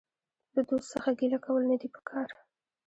د دوست څخه ګيله کول نه دي په کار.